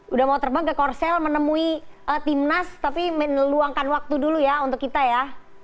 udah mau terbang ke korsel menemui timnas tapi meluangkan waktu dulu ya untuk kita ya